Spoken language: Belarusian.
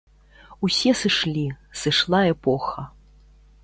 Усе сышлі, сышла эпоха.